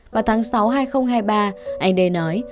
vào tháng sáu hai nghìn hai mươi ba anh đê nói